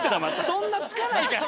そんな付かないから。